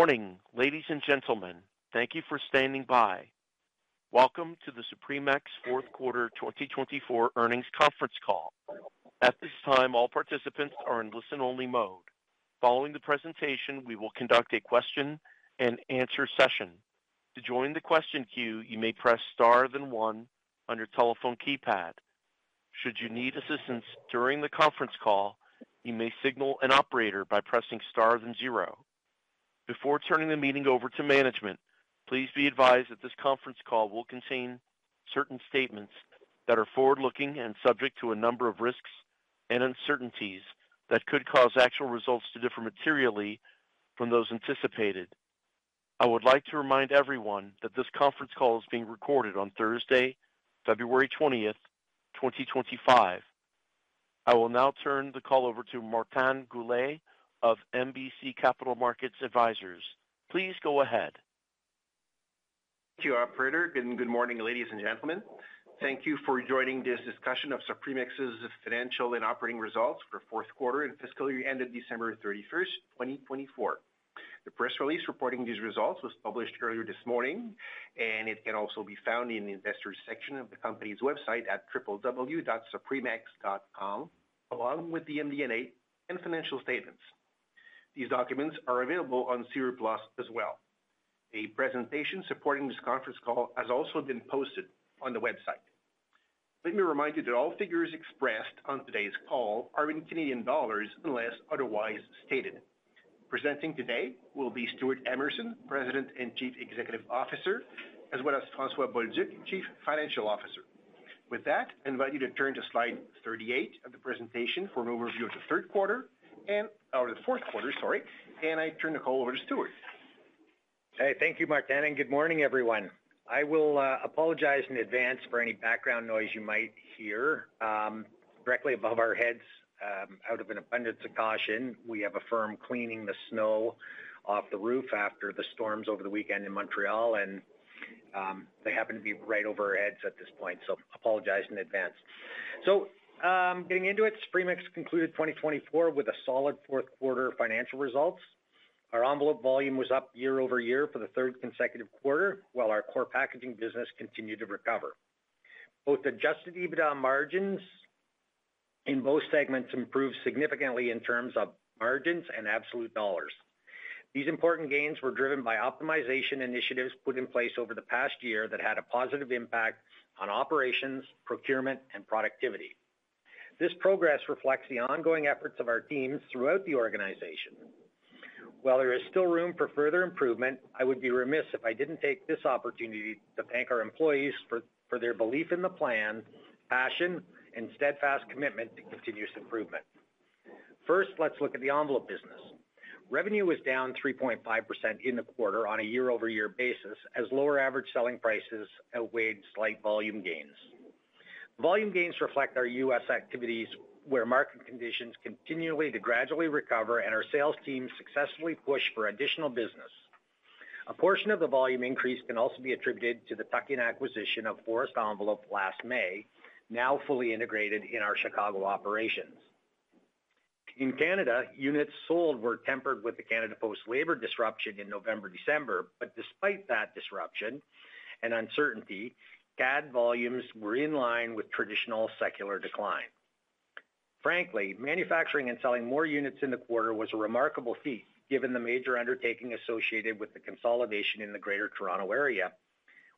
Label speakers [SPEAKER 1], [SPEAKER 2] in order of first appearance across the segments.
[SPEAKER 1] Good morning, ladies and gentlemen. Thank you for standing by. Welcome to the Supremex Fourth Quarter 2024 earnings conference call. At this time, all participants are in listen-only mode. Following the presentation, we will conduct a question-and-answer session. To join the question queue, you may press star then one on your telephone keypad. Should you need assistance during the conference call, you may signal an operator by pressing star then zero. Before turning the meeting over to management, please be advised that this conference call will contain certain statements that are forward-looking and subject to a number of risks and uncertainties that could cause actual results to differ materially from those anticipated. I would like to remind everyone that this conference call is being recorded on Thursday, February 20th, 2025. I will now turn the call over to Martin Goulet of MBC Capital Markets Advisors. Please go ahead.
[SPEAKER 2] Thank you, Operator. Good morning, ladies and gentlemen. Thank you for joining this discussion of Supremex's financial and operating results for the fourth quarter and fiscal year ended December 31st, 2024. The press release reporting these results was published earlier this morning, and it can also be found in the investors' section of the company's website at www.supremex.com, along with the MD&A and financial statements. These documents are available on SEDAR+ as well. A presentation supporting this conference call has also been posted on the website. Let me remind you that all figures expressed on today's call are in CAD unless otherwise stated. Presenting today will be Stewart Emerson, President and Chief Executive Officer, as well as François Bolduc, Chief Financial Officer. With that, I invite you to turn to slide 38 of the presentation for an overview of the third quarter and, or the fourth quarter, sorry, and I turn the call over to Stewart.
[SPEAKER 3] Hey, thank you, Martin. Good morning, everyone. I will apologize in advance for any background noise you might hear directly above our heads. Out of an abundance of caution, we have a firm cleaning the snow off the roof after the storms over the weekend in Montreal, and they happen to be right over our heads at this point, so apologize in advance. Getting into it, Supremex concluded 2024 with solid fourth quarter financial results. Our envelope volume was up year over year for the third consecutive quarter while our core packaging business continued to recover. Both adjusted EBITDA margins in both segments improved significantly in terms of margins and absolute dollars. These important gains were driven by optimization initiatives put in place over the past year that had a positive impact on operations, procurement, and productivity. This progress reflects the ongoing efforts of our teams throughout the organization. While there is still room for further improvement, I would be remiss if I didn't take this opportunity to thank our employees for their belief in the plan, passion, and steadfast commitment to continuous improvement. First, let's look at the envelope business. Revenue was down 3.5% in the quarter on a year-over-year basis as lower average selling prices outweighed slight volume gains. Volume gains reflect our U.S. activities where market conditions continue to gradually recover and our sales teams successfully push for additional business. A portion of the volume increase can also be attributed to the tuck-in acquisition of Forest Envelope last May, now fully integrated in our Chicago operations. In Canada, units sold were tempered with the Canada Post labor disruption in November-December, but despite that disruption and uncertainty, CAD volumes were in line with traditional secular decline. Frankly, manufacturing and selling more units in the quarter was a remarkable feat given the major undertaking associated with the consolidation in the Greater Toronto Area,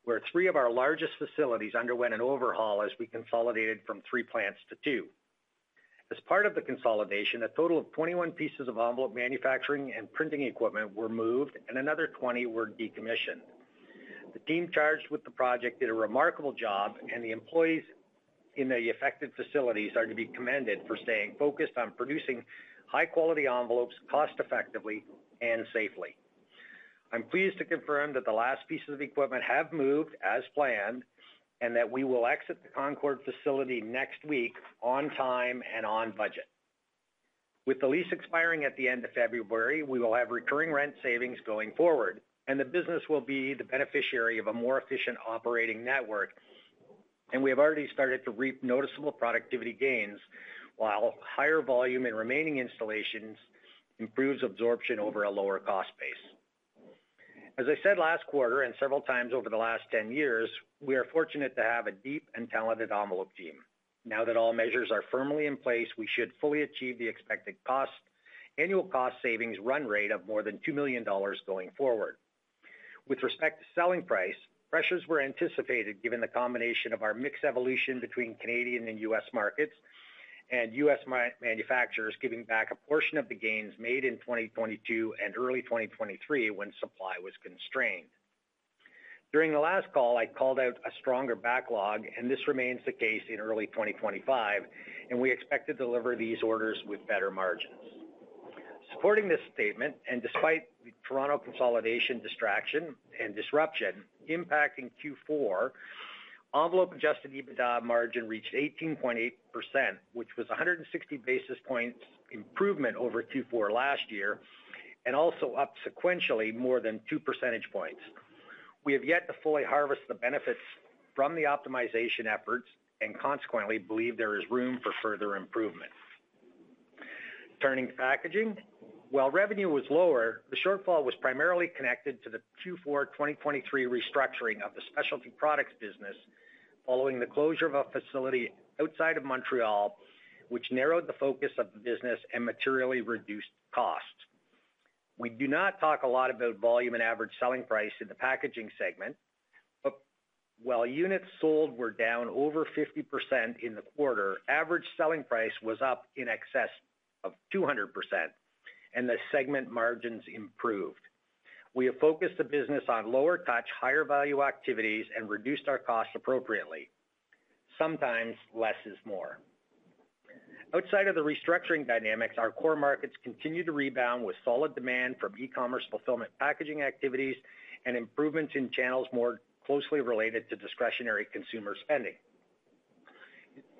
[SPEAKER 3] where three of our largest facilities underwent an overhaul as we consolidated from three plants to two. As part of the consolidation, a total of 21 pieces of envelope manufacturing and printing equipment were moved and another 20 were decommissioned. The team charged with the project did a remarkable job, and the employees in the affected facilities are to be commended for staying focused on producing high-quality envelopes cost-effectively and safely. I'm pleased to confirm that the last pieces of equipment have moved as planned and that we will exit the Concord facility next week on time and on budget. With the lease expiring at the end of February, we will have recurring rent savings going forward, and the business will be the beneficiary of a more efficient operating network, and we have already started to reap noticeable productivity gains while higher volume and remaining installations improves absorption over a lower cost base. As I said last quarter and several times over the last 10 years, we are fortunate to have a deep and talented envelope team. Now that all measures are firmly in place, we should fully achieve the expected annual cost savings run rate of more than 2 million dollars going forward. With respect to selling price, pressures were anticipated given the combination of our mixed evolution between Canadian and U.S. markets and U.S. manufacturers giving back a portion of the gains made in 2022 and early 2023 when supply was constrained. During the last call, I called out a stronger backlog, and this remains the case in early 2025, and we expect to deliver these orders with better margins. Supporting this statement, and despite the Toronto consolidation distraction and disruption impacting Q4, envelope adjusted EBITDA margin reached 18.8%, which was 160 basis points improvement over Q4 last year and also up sequentially more than two percentage points. We have yet to fully harvest the benefits from the optimization efforts and consequently believe there is room for further improvement. Turning to packaging, while revenue was lower, the shortfall was primarily connected to the Q4 2023 restructuring of the specialty products business following the closure of a facility outside of Montreal, which narrowed the focus of the business and materially reduced costs. We do not talk a lot about volume and average selling price in the packaging segment, but while units sold were down over 50% in the quarter, average selling price was up in excess of 200%, and the segment margins improved. We have focused the business on lower touch, higher value activities and reduced our costs appropriately. Sometimes less is more. Outside of the restructuring dynamics, our core markets continue to rebound with solid demand from e-commerce fulfillment packaging activities and improvements in channels more closely related to discretionary consumer spending.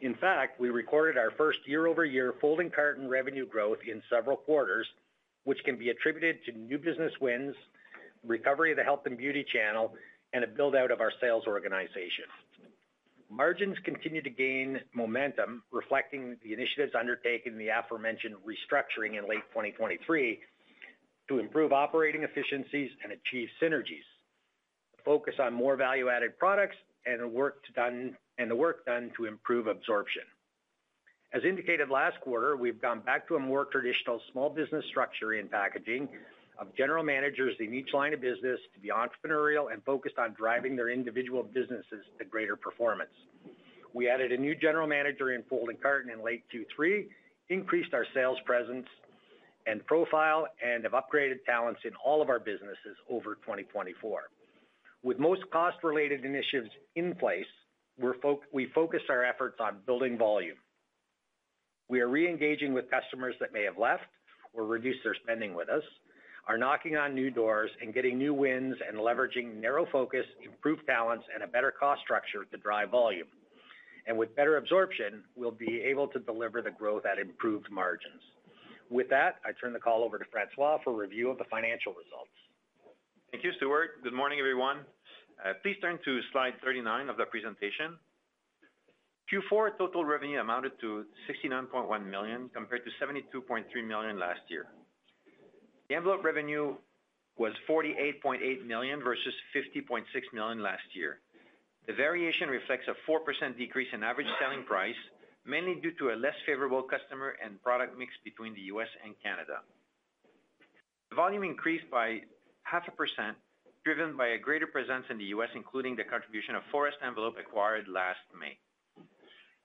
[SPEAKER 3] In fact, we recorded our first year-over-year folding carton revenue growth in several quarters, which can be attributed to new business wins, recovery of the health and beauty channel, and a build-out of our sales organization. Margins continue to gain momentum, reflecting the initiatives undertaken in the aforementioned restructuring in late 2023 to improve operating efficiencies and achieve synergies, focus on more value-added products and the work done to improve absorption. As indicated last quarter, we've gone back to a more traditional small business structure in packaging of general managers in each line of business to be entrepreneurial and focused on driving their individual businesses to greater performance. We added a new general manager in folding carton in late Q3, increased our sales presence and profile, and have upgraded talents in all of our businesses over 2024. With most cost-related initiatives in place, we focus our efforts on building volume. We are re-engaging with customers that may have left or reduced their spending with us, are knocking on new doors and getting new wins and leveraging narrow focus, improved talents, and a better cost structure to drive volume. With better absorption, we will be able to deliver the growth at improved margins. With that, I turn the call over to François for review of the financial results.
[SPEAKER 4] Thank you, Stewart. Good morning, everyone. Please turn to slide 39 of the presentation. Q4 total revenue amounted to 69.1 million compared to 72.3 million last year. The envelope revenue was 48.8 million versus 50.6 million last year. The variation reflects a 4% decrease in average selling price, mainly due to a less favorable customer and product mix between the U.S. and Canada. The volume increased by 0.5%, driven by a greater presence in the U.S., including the contribution of Forest Envelope acquired last May.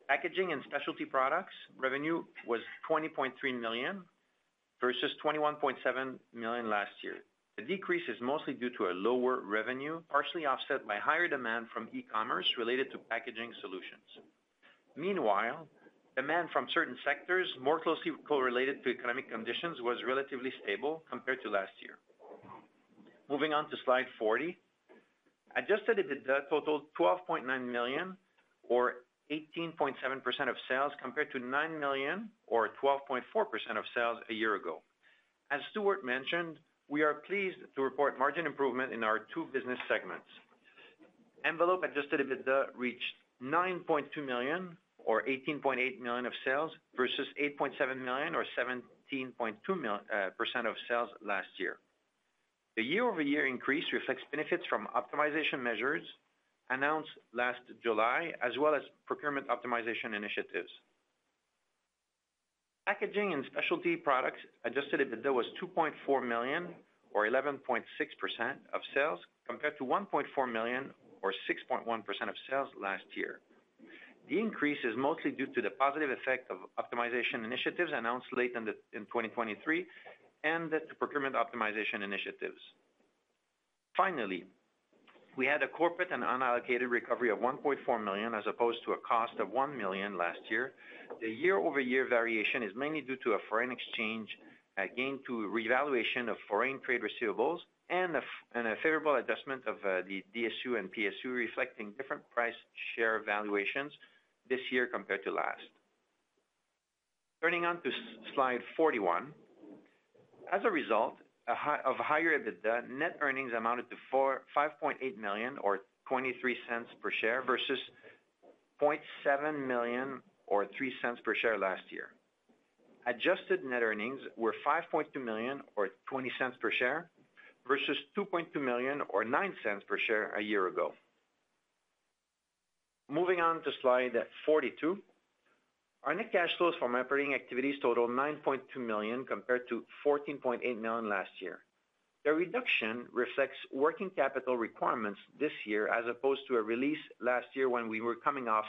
[SPEAKER 4] Packaging and specialty products revenue was 20.3 million versus 21.7 million last year. The decrease is mostly due to a lower revenue, partially offset by higher demand from e-commerce related to packaging solutions. Meanwhile, demand from certain sectors more closely correlated to economic conditions was relatively stable compared to last year. Moving on to slide 40, adjusted EBITDA totaled 12.9 million, or 18.7% of sales, compared to 9 million, or 12.4% of sales, a year ago. As Stewart mentioned, we are pleased to report margin improvement in our two business segments. Envelope adjusted EBITDA reached 9.2 million, or 18.8% of sales, versus 8.7 million, or 17.2% of sales last year. The year-over-year increase reflects benefits from optimization measures announced last July, as well as procurement optimization initiatives. Packaging and specialty products adjusted EBITDA was 2.4 million, or 11.6% of sales, compared to 1.4 million, or 6.1% of sales, last year. The increase is mostly due to the positive effect of optimization initiatives announced late in 2023 and the procurement optimization initiatives. Finally, we had a corporate and unallocated recovery of 1.4 million as opposed to a cost of 1 million last year. The year-over-year variation is mainly due to a foreign exchange gain to revaluation of foreign trade receivables and a favorable adjustment of the DSU and PSU, reflecting different price share valuations this year compared to last. Turning on to slide 41, as a result of higher EBITDA, net earnings amounted to 5.8 million, or 0.23 per share, versus 0.7 million, or 0.03 per share last year. Adjusted net earnings were 5.2 million, or 0.20 per share, versus 2.2 million, or 0.09 per share a year ago. Moving on to slide 42, our net cash flows from operating activities totaled 9.2 million compared to 14.8 million last year. The reduction reflects working capital requirements this year as opposed to a release last year when we were coming off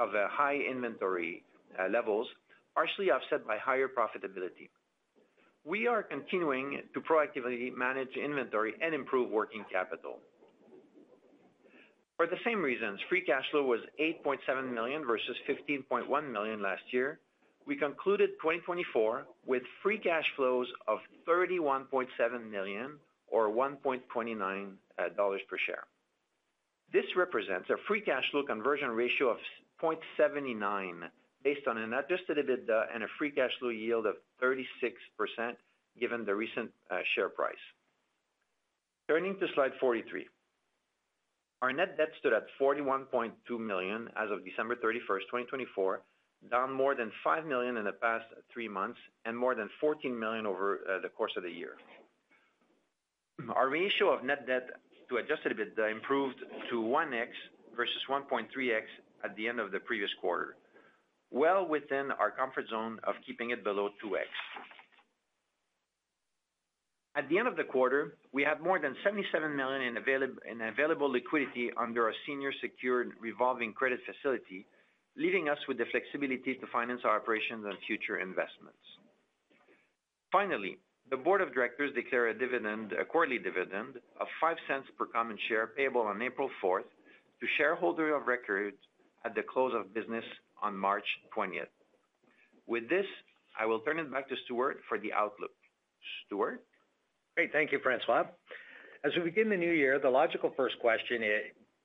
[SPEAKER 4] of high inventory levels, partially offset by higher profitability. We are continuing to proactively manage inventory and improve working capital. For the same reasons, free cash flow was 8.7 million versus 15.1 million last year. We concluded 2024 with free cash flows of 31.7 million, or 1.29 dollars per share. This represents a free cash flow conversion ratio of 0.79 based on an adjusted EBITDA and a free cash flow yield of 36% given the recent share price. Turning to slide 43, our net debt stood at 41.2 million as of December 31st, 2024, down more than 5 million in the past three months and more than 14 million over the course of the year. Our ratio of net debt to adjusted EBITDA improved to 1x versus 1.3x at the end of the previous quarter, well within our comfort zone of keeping it below 2x. At the end of the quarter, we had more than 77 million in available liquidity under a senior secured revolving credit facility, leaving us with the flexibility to finance our operations and future investments. Finally, the board of directors declared a quarterly dividend of 0.05 per common share payable on April 4 to shareholders of record at the close of business on March 20th. With this, I will turn it back to Stewart for the outlook. Stewart?
[SPEAKER 3] Great. Thank you, François. As we begin the new year, the logical first question to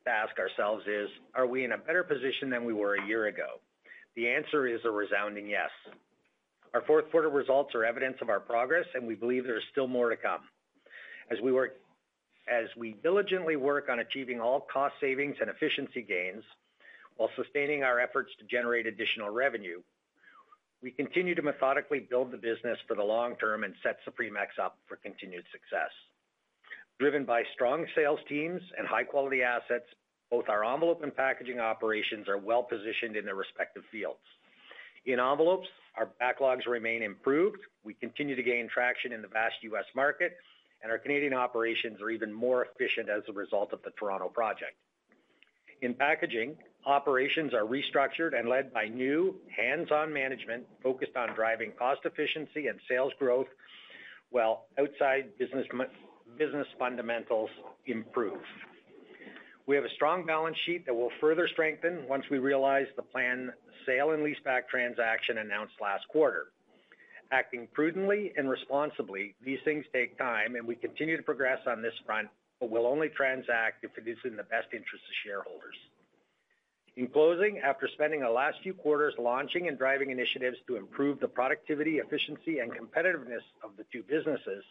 [SPEAKER 3] ask ourselves is, are we in a better position than we were a year ago? The answer is a resounding yes. Our fourth quarter results are evidence of our progress, and we believe there is still more to come. As we diligently work on achieving all cost savings and efficiency gains while sustaining our efforts to generate additional revenue, we continue to methodically build the business for the long term and set Supremex up for continued success. Driven by strong sales teams and high-quality assets, both our envelope and packaging operations are well positioned in their respective fields. In envelopes, our backlogs remain improved. We continue to gain traction in the vast U.S. market, and our Canadian operations are even more efficient as a result of the Toronto project. In packaging, operations are restructured and led by new hands-on management focused on driving cost efficiency and sales growth while outside business fundamentals improve. We have a strong balance sheet that will further strengthen once we realize the planned sale and lease-back transaction announced last quarter. Acting prudently and responsibly, these things take time, and we continue to progress on this front, but we'll only transact if it is in the best interest of shareholders. In closing, after spending the last few quarters launching and driving initiatives to improve the productivity, efficiency, and competitiveness of the two businesses,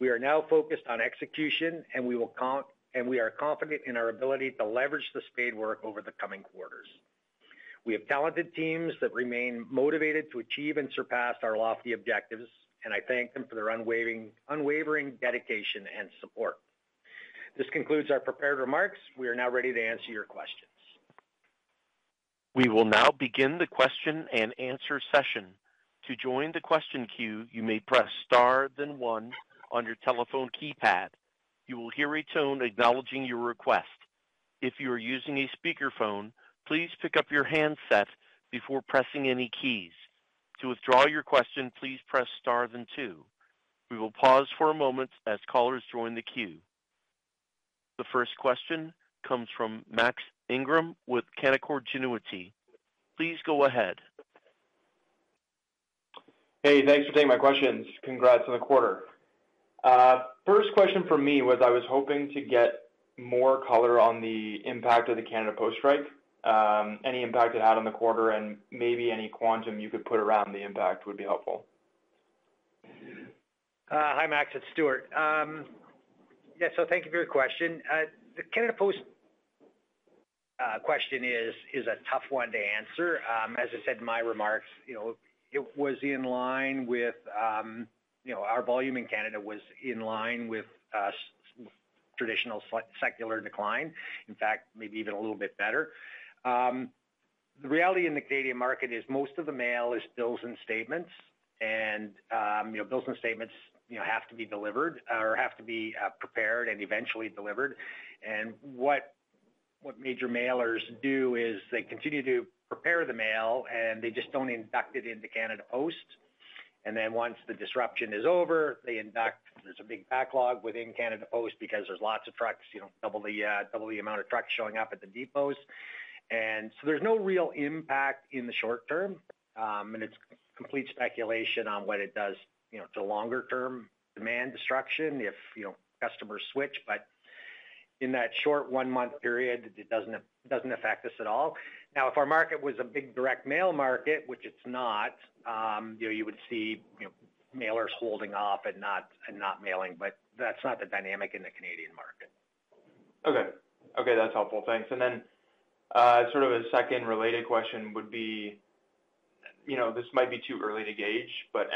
[SPEAKER 3] we are now focused on execution, and we are confident in our ability to leverage the spade work over the coming quarters. We have talented teams that remain motivated to achieve and surpass our lofty objectives, and I thank them for their unwavering dedication and support. This concludes our prepared remarks. We are now ready to answer your questions.
[SPEAKER 1] We will now begin the question and answer session. To join the question queue, you may press star then one on your telephone keypad. You will hear a tone acknowledging your request. If you are using a speakerphone, please pick up your handset before pressing any keys. To withdraw your question, please press star then two. We will pause for a moment as callers join the queue. The first question comes from Max Ingram with Canaccord Genuity. Please go ahead.
[SPEAKER 5] Hey, thanks for taking my questions. Congrats on the quarter. First question for me was I was hoping to get more color on the impact of the Canada Post strike, any impact it had on the quarter, and maybe any quantum you could put around the impact would be helpful.
[SPEAKER 3] Hi, Max. It's Stewart. Yeah, thank you for your question. The Canada Post question is a tough one to answer. As I said in my remarks, it was in line with our volume in Canada, was in line with traditional secular decline, in fact, maybe even a little bit better. The reality in the Canadian market is most of the mail is bills and statements, and bills and statements have to be delivered or have to be prepared and eventually delivered. What major mailers do is they continue to prepare the mail, and they just do not induct it into Canada Post. Once the disruption is over, they induct. There is a big backlog within Canada Post because there are lots of trucks, double the amount of trucks showing up at the depots. There is no real impact in the short term, and it is complete speculation on what it does to longer-term demand destruction if customers switch. In that short one-month period, it does not affect us at all. If our market was a big direct mail market, which it is not, you would see mailers holding off and not mailing, but that is not the dynamic in the Canadian market.
[SPEAKER 5] Okay. Okay, that's helpful. Thanks. A second related question would be this might be too early to gauge, but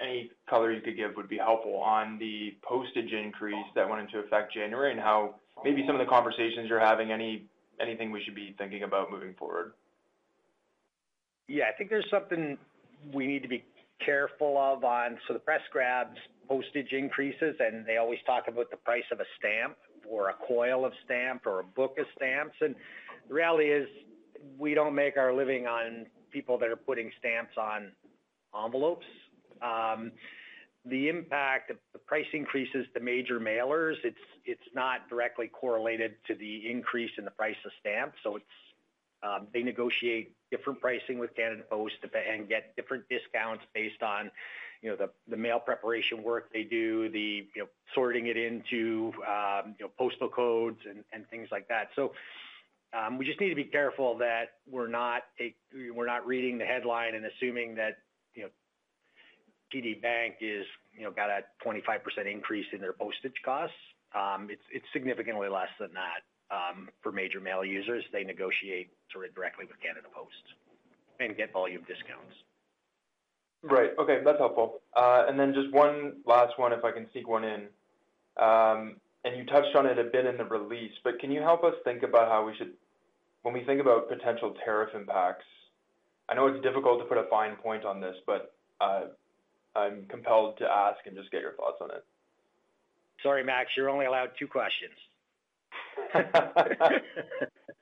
[SPEAKER 5] any color you could give would be helpful on the postage increase that went into effect January and how maybe some of the conversations you're having, anything we should be thinking about moving forward.
[SPEAKER 3] Yeah, I think there's something we need to be careful of on. The press grabs postage increases, and they always talk about the price of a stamp or a coil of stamps or a book of stamps. The reality is we don't make our living on people that are putting stamps on envelopes. The impact of the price increases to major mailers, it's not directly correlated to the increase in the price of stamps. They negotiate different pricing with Canada Post and get different discounts based on the mail preparation work they do, sorting it into postal codes and things like that. We just need to be careful that we're not reading the headline and assuming that TD Bank has got a 25% increase in their postage costs. It's significantly less than that for major mail users. They negotiate sort of directly with Canada Post and get volume discounts.
[SPEAKER 5] Right. Okay, that's helpful. Just one last one, if I can sneak one in. You touched on it a bit in the release, but can you help us think about how we should, when we think about potential tariff impacts? I know it's difficult to put a fine point on this, but I'm compelled to ask and just get your thoughts on it.
[SPEAKER 3] Sorry, Max. You're only allowed two questions.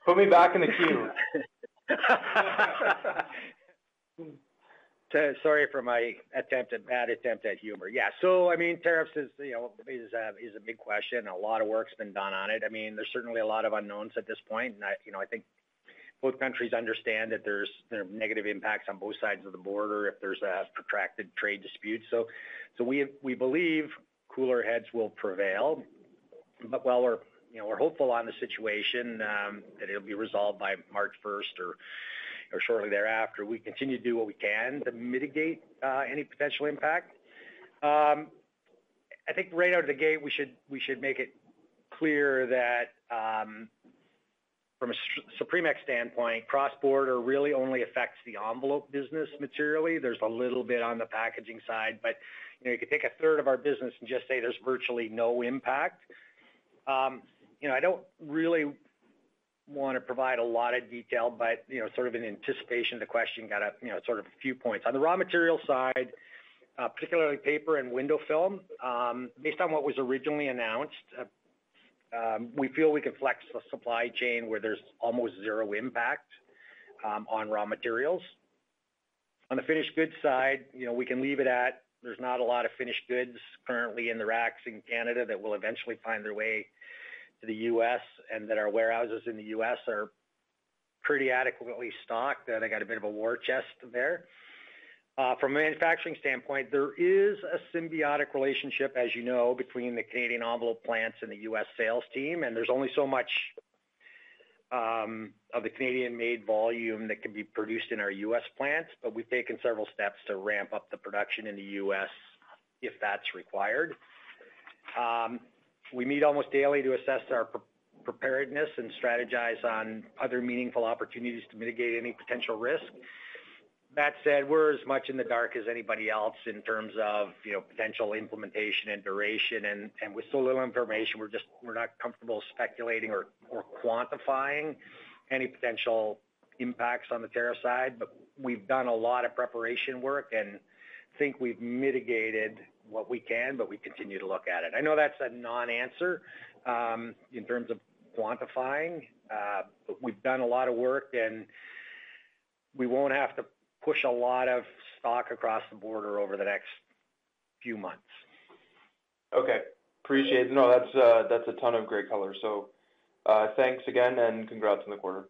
[SPEAKER 5] Put me back in the queue.
[SPEAKER 3] Sorry for my bad attempt at humor. Yeah. I mean, tariffs is a big question. A lot of work's been done on it. I mean, there's certainly a lot of unknowns at this point. I think both countries understand that there are negative impacts on both sides of the border if there's a protracted trade dispute. We believe cooler heads will prevail. While we're hopeful on the situation that it'll be resolved by March 1 or shortly thereafter, we continue to do what we can to mitigate any potential impact. I think right out of the gate, we should make it clear that from a Supremex standpoint, cross-border really only affects the envelope business materially. There's a little bit on the packaging side, but you could take a third of our business and just say there's virtually no impact. I don't really want to provide a lot of detail, but sort of in anticipation of the question, got sort of a few points. On the raw material side, particularly paper and window film, based on what was originally announced, we feel we can flex the supply chain where there's almost zero impact on raw materials. On the finished goods side, we can leave it at there's not a lot of finished goods currently in the racks in Canada that will eventually find their way to the U.S. and that our warehouses in the U.S. are pretty adequately stocked. They got a bit of a war chest there. From a manufacturing standpoint, there is a symbiotic relationship, as you know, between the Canadian envelope plants and the U.S. sales team. There's only so much of the Canadian-made volume that can be produced in our U.S. plants, but we've taken several steps to ramp up the production in the U.S. if that's required. We meet almost daily to assess our preparedness and strategize on other meaningful opportunities to mitigate any potential risk. That said, we're as much in the dark as anybody else in terms of potential implementation and duration. With so little information, we're not comfortable speculating or quantifying any potential impacts on the tariff side. We've done a lot of preparation work and think we've mitigated what we can, but we continue to look at it. I know that's a non-answer in terms of quantifying, but we've done a lot of work, and we won't have to push a lot of stock across the border over the next few months.
[SPEAKER 5] Okay. Appreciate it. No, that's a ton of great color. Thanks again, and congrats on the quarter.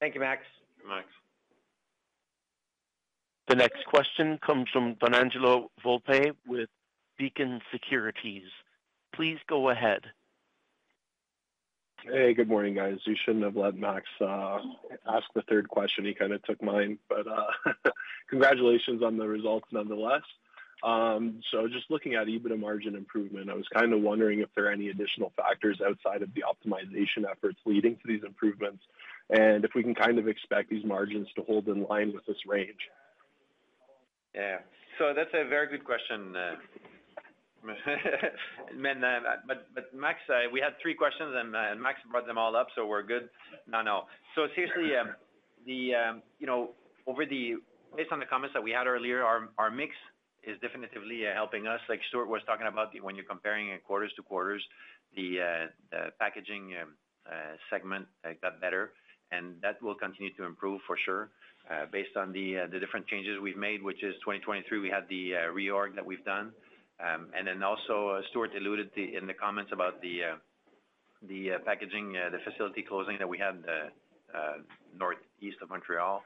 [SPEAKER 3] Thank you, Max.
[SPEAKER 4] Thank you, Max.
[SPEAKER 1] The next question comes from Donangelo Volpe with Beacon Securities. Please go ahead.
[SPEAKER 6] Hey, good morning, guys. You shouldn't have let Max ask the third question. He kind of took mine, but congratulations on the results nonetheless. Just looking at EBITDA margin improvement, I was kind of wondering if there are any additional factors outside of the optimization efforts leading to these improvements and if we can kind of expect these margins to hold in line with this range.
[SPEAKER 4] Yeah. That is a very good question. Max, we had three questions, and Max brought them all up, so we are good. No, no. Seriously, based on the comments that we had earlier, our mix is definitively helping us. Like Stewart was talking about, when you are comparing quarters to quarters, the packaging segment got better, and that will continue to improve for sure based on the different changes we have made, which is 2023. We had the reorg that we have done. Also, Stewart alluded in the comments about the packaging, the facility closing that we had northeast of Montreal.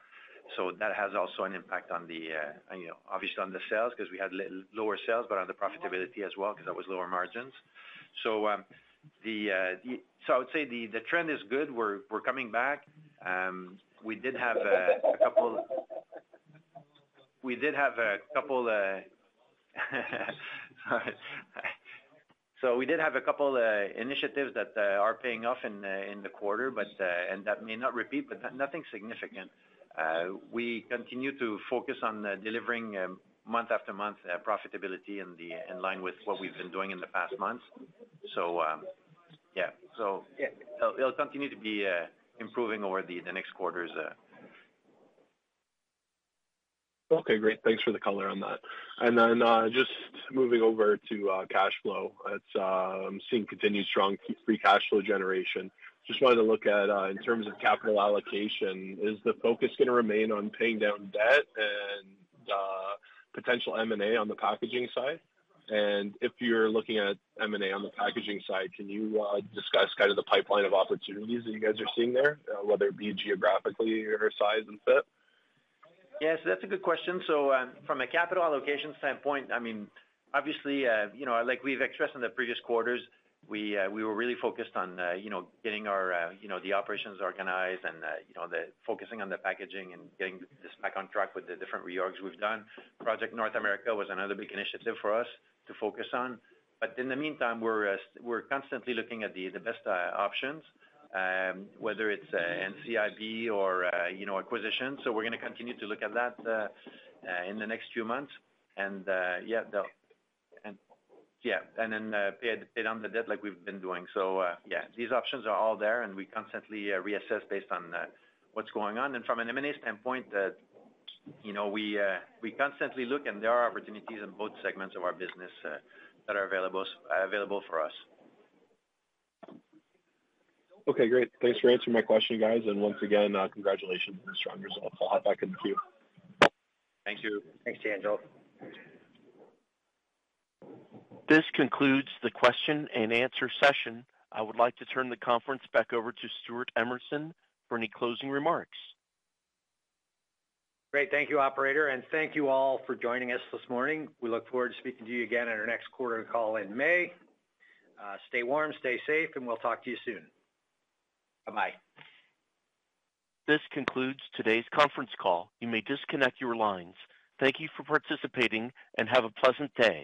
[SPEAKER 4] That has also an impact on the, obviously, on the sales because we had lower sales, but on the profitability as well because that was lower margins. I would say the trend is good. We are coming back. We did have a couple—sorry. We did have a couple of initiatives that are paying off in the quarter, and that may not repeat, but nothing significant. We continue to focus on delivering month after month profitability in line with what we've been doing in the past months. Yeah. It'll continue to be improving over the next quarters.
[SPEAKER 6] Okay, great. Thanks for the color on that. Just moving over to cash flow, I'm seeing continued strong free cash flow generation. Just wanted to look at in terms of capital allocation, is the focus going to remain on paying down debt and potential M&A on the packaging side? If you're looking at M&A on the packaging side, can you discuss kind of the pipeline of opportunities that you guys are seeing there, whether it be geographically or size and fit?
[SPEAKER 4] Yes, that's a good question. From a capital allocation standpoint, I mean, obviously, like we've expressed in the previous quarters, we were really focused on getting the operations organized and focusing on the packaging and getting this back on track with the different reorgs we've done. Project North America was another big initiative for us to focus on. In the meantime, we're constantly looking at the best options, whether it's NCIB or acquisition. We're going to continue to look at that in the next few months. Yeah, and then pay down the debt like we've been doing. These options are all there, and we constantly reassess based on what's going on. From an M&A standpoint, we constantly look, and there are opportunities in both segments of our business that are available for us.
[SPEAKER 6] Okay, great. Thanks for answering my question, guys. Once again, congratulations on the strong results. I'll hop back in the queue.
[SPEAKER 4] Thank you. Thanks, Donangelo.
[SPEAKER 1] This concludes the question and answer session. I would like to turn the conference back over to Stewart Emerson for any closing remarks.
[SPEAKER 3] Great. Thank you, operator. Thank you all for joining us this morning. We look forward to speaking to you again at our next quarter call in May. Stay warm, stay safe, and we'll talk to you soon. Bye-bye.
[SPEAKER 1] This concludes today's conference call. You may disconnect your lines. Thank you for participating and have a pleasant day.